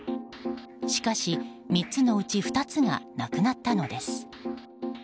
しかし、３つのうち２つがなくなったのです。